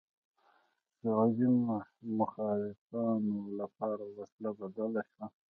سعودي مخالفانو لپاره وسله بدله شوه